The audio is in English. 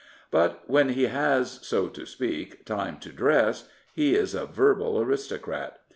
" But when he has, so to speak, time to dress, he is a verbal aristocrat.